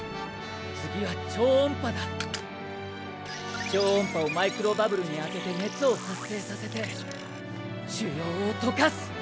超音波をマイクロバブルに当てて熱を発生させて腫瘍を溶かす！